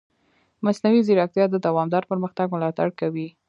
مصنوعي ځیرکتیا د دوامدار پرمختګ ملاتړ کوي.